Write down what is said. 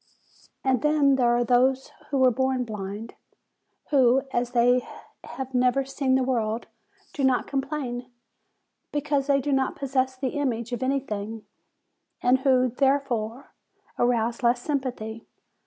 "And then there are those who were born blind, who, as they have never seen the world, do not com plain, because they do not possess the image of any thing, and who, therefore, arouse less sympathy.